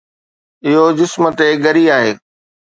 اهو جسم تي ڳري آهي